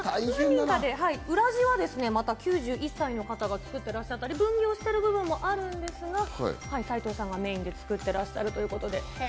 裏地は、また９１歳の方が作っていらっしゃったり、分業している部分もあるんですが、齋藤さんがメインで作っていらっしゃるということで。